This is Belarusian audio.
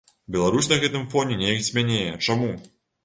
Беларусь на гэтым фоне неяк цьмянее, чаму?